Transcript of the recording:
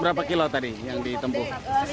berapa kilo tadi yang ditempuh